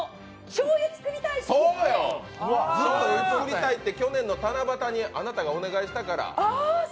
醤油作りたいって、去年の七夕にあなたがお願いしたから。